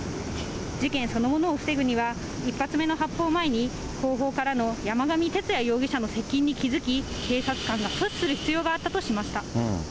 事件そのものを防ぐには、１発目の発砲前に後方からの山上徹也容疑者の接近に気付き、警察官が阻止する必要があったとしました。